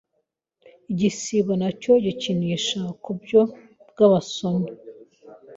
igisigo nacyo gikinisha kubyo bwabasomyi